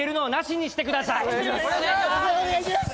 お願いします！